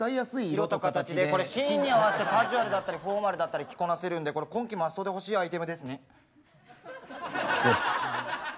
色と形でこれシーンに合わせてカジュアルだったりフォーマルだったり着こなせるんでこれ今期マストで欲しいアイテムですね。です。